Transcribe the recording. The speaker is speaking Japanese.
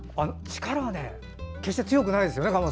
力は決して強くないんですよね。